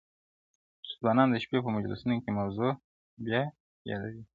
ځوانان د شپې په مجلسونو کي موضوع بيا يادوي,